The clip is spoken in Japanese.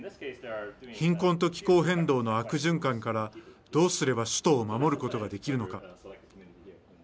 貧困と気候変動の悪循環から、どうすれば首都を守ることができるのか。